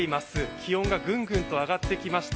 気温がぐんぐんと上がってきました